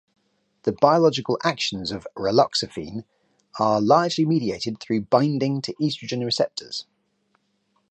The biological actions of raloxifene are largely mediated through binding to estrogen receptors.